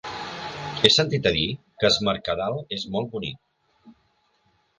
He sentit a dir que Es Mercadal és molt bonic.